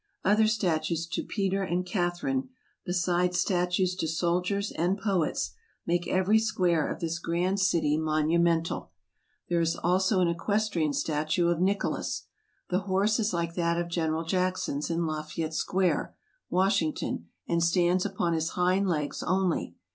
Other statues to Peter and Catherine, besides statues to soldiers and poets, make every square of this grand city 240 TRAVELERS AND EXPLORERS monumental. There is also an equestrian statue of Nicholas. The horse is like that of General Jackson's in Lafayette Square, Washington, and stands upon his hind legs only.